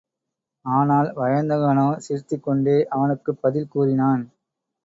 ஆனால், வயந்தகனோ சிரித்துக்கொண்டே அவனுக்குப் பதில் கூறினான்.